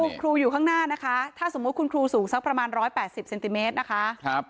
คุณครูอยู่ข้างหน้านะคะถ้าสมมุติคุณครูสูงสักประมาณ๑๘๐เซนติเมตรนะคะ